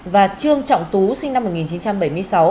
và trương trọng tú sinh năm một nghìn chín trăm bảy mươi sáu